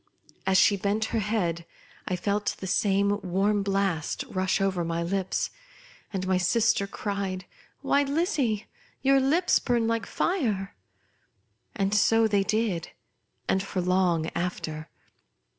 As she bent her head, I felt the same warm blast rush over my lips, and my sister, cried, " Why Lizzie, your lips burn like fire!" And so they did, and for long after.